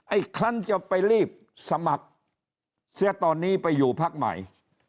อีกครั้งจะไปรีบสมัครเสียตอนนี้ไปอยู่พักใหม่